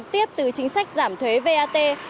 tiếp từ chính sách giảm thuế vat